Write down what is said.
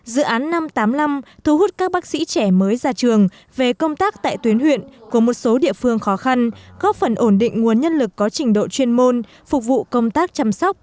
dự án năm trăm tám mươi năm thu hút các bác sĩ trẻ mới ra trường về công tác tại tuyến huyện của một số địa phương khó khăn góp phần ổn định nguồn nhân lực có trình độ cao